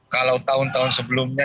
kalau tahun tahun sebelumnya